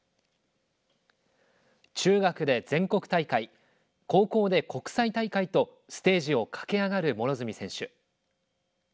中学で全国大会高校で国際大会とステージを駆け上がる両角選手。